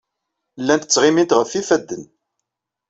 Llant ttɣimint ɣef yifadden.